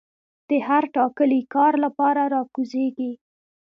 د هر ټاکلي کار لپاره را کوزيږي